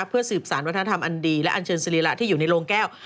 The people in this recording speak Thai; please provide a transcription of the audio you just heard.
เพื่อสืบสารวัฒนธรรมอันดีและอันเชิญสรีระที่อยู่ในโรงแก้ว